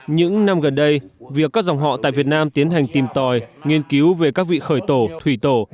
những năm gần đây việc các dòng họ tại việt nam tiến hành tìm tòi nghiên cứu về các vị khởi tổ thủy tổ